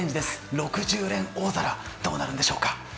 ６０連大皿どうなるんでしょうか。